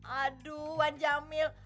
aduh wan jamil